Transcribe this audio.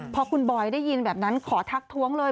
พอคุณบอยได้ยินแบบนั้นขอทักท้วงเลย